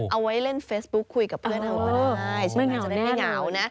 เอาไว้เล่นเฟซบุ๊คคุยกับเพื่อนเอาก็ได้ใช่ไหมจะได้ไม่เหงานะ